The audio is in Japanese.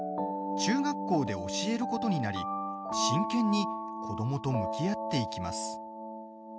中学校で教えることになり真剣に子どもと向き合っていきます。